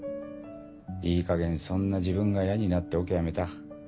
いいかげんそんな自分が嫌になってオケ辞めた。